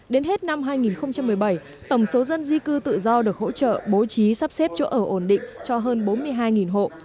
đến hết năm hai nghìn một mươi bảy tổng số dân di cư tự do được hỗ trợ bố trí sắp xếp chỗ ở ổn định cho hơn bốn mươi hai hộ